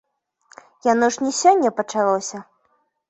Яно ж не сёння пачалося.